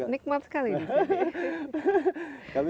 nikmat sekali di sini